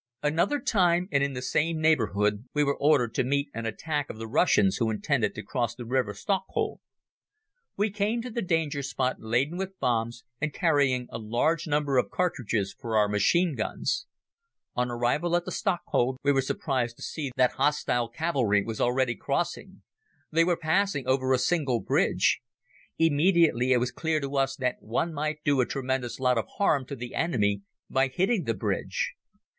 Another time and in the same neighborhood we were ordered to meet an attack of the Russians who intended to cross the river Stokhod. We came to the danger spot laden with bombs and carrying a large number of cartridges for our machine guns. On arrival at the Stokhod, we were surprised to see that hostile cavalry was already crossing. They were passing over a single bridge. Immediately it was clear to us that one might do a tremendous lot of harm to the enemy by hitting the bridge.